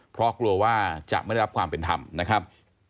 เพราะกลัวว่าจะไม่ได้รับความเป็นธรรมนะครับ